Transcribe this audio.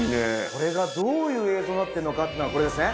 これがどういう映像になってるのかっていうのがこれですね。